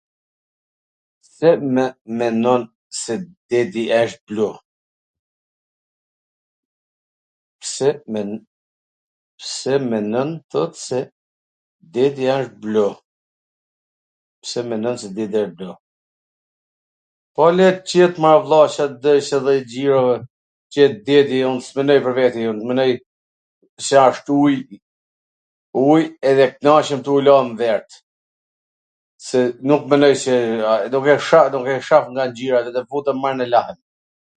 Pse menon se deti asht blu? Po le t jet mor vlla Ca t doj se dhe ngjyra t jet deti... un s menoj pwr vete e jo t menoj se asht uji uji edhe knaqem tu u la n vert, se nuk menoj se... nuk e shoh, nuk e shoh nga ngjyra edhe futem mrena e lahem.